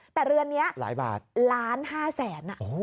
แต่เรือนนี้หลายบาทล้าน๕แสน